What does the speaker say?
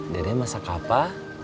dede masak apa